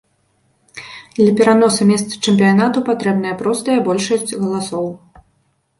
Для пераносу месца чэмпіянату патрэбная простая большасць галасоў.